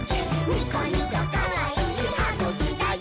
ニコニコかわいいはぐきだよ！」